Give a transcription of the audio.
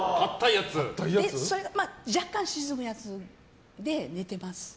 若干沈むやつで寝てます。